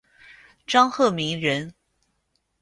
张鹤鸣人。